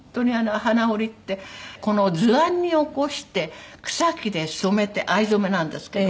図案に起こして草木で染めて藍染めなんですけど。